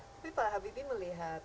tapi pak habibie melihat